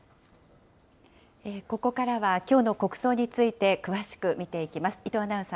ここからはきょうの国葬について、詳しく見ていきます。